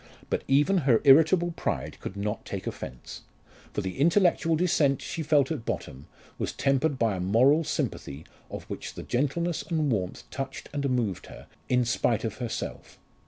But even her irritable pride could not take offence. For the intellectual dissent she felt at bottom was tempered by a moral sympathy of which the gentleness and warmth touched and moved her in spite of herself.